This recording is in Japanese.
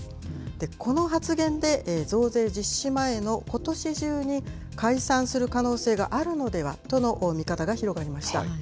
この発言で増税実施前のことし中に解散する可能性があるのではとの見方が広がりました。